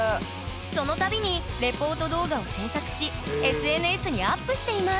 その度にレポート動画を制作しＳＮＳにアップしています